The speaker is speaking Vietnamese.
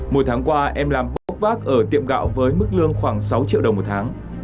một tháng qua em làm prok vác ở tiệm gạo với mức lương khoảng sáu triệu đồng một tháng